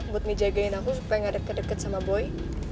buat ngejagain aku supaya gak deket deket sama boy